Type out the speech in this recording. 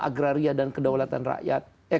agraria dan kedaulatan rakyat